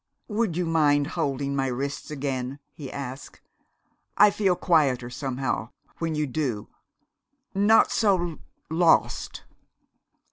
"Would you mind holding my wrists again?" he asked. "I feel quieter, somehow, when you do not so lost."